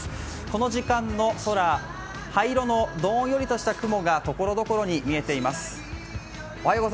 この時間の空、灰色のどんよりとした雲がところどころに見えています。